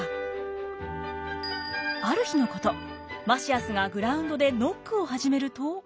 ある日のことマシアスがグラウンドでノックを始めると。